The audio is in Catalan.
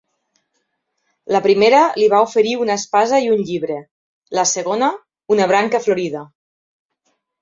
La primera li va oferir una espasa i un llibre; la segona, una branca florida.